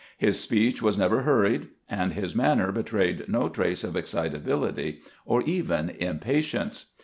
His speech was never hurried, and his manner betrayed no trace of excitability or even impatience.